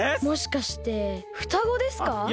もしかしてふたごですか？